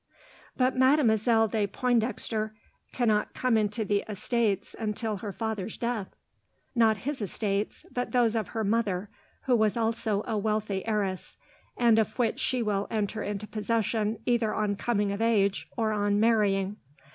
"But Mademoiselle de Pointdexter cannot come into the estates until her father's death." "Not his estates, but those of her mother, who was also a wealthy heiress, and of which she will enter into possession either on coming of age or on marrying.